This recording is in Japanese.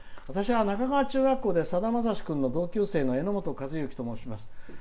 私は中川中学校でさだまさし君の同級生のえのもとかずゆきと申します」。